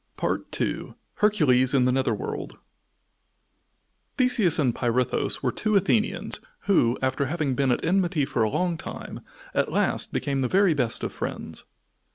II HERCULES IN THE NETHER WORLD Theseus and Pirithous were two Athenians, who, after having been at enmity for a long time at last became the very best of friends.